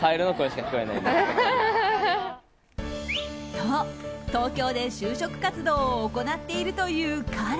と、東京で就職活動を行っているという彼。